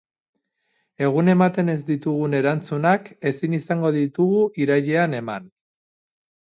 Egun ematen ez ditugun erantzunak ezin izango ditugu irailean eman.